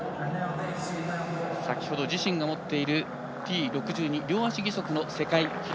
先ほど自身が持っているＴ６２両足義足の世界記録